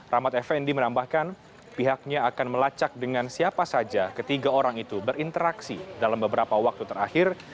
rahmat effendi menambahkan pihaknya akan melacak dengan siapa saja ketiga orang itu berinteraksi dalam beberapa waktu terakhir